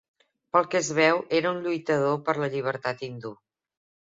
Pel que es veu, era un lluitador per la llibertat hindú.